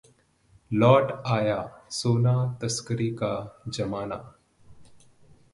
लौट आया सोना तस्करी का जमाना